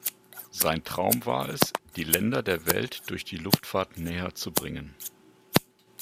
Sein Traum war es, die Länder der Welt durch die Luftfahrt näher zu bringen.